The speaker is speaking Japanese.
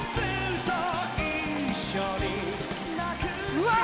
うわ！